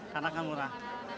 karena akan murah